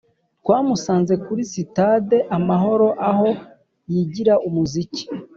twamusanze kuri sitade amahoro aho yigira umuziki